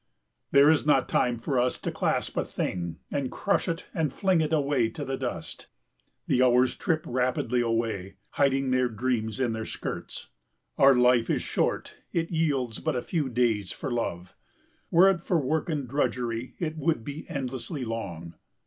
There is not time for us to clasp a thing and crush it and fling it away to the dust. The hours trip rapidly away, hiding their dreams in their skirts. Our life is short; it yields but a few days for love. Were it for work and drudgery it would be endlessly long.